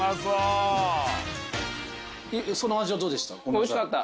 その味はどうでした？